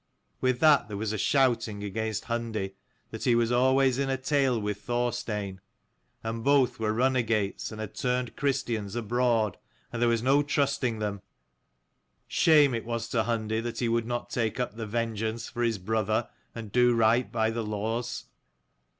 With that there was a shouting against 229 Hundi, that he was always in a tale with Thorstein, and both were runagates and had turned Christians abroad, and there was no trusting them. Shame it was to Hundi that he would not take up the vengeance for his brother, and do right by the laws.